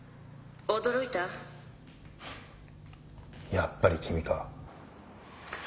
やっぱり君か。